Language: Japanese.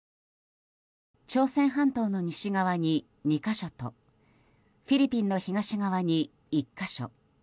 朝鮮半島の西側に２か所とフィリピンの東側に１か所。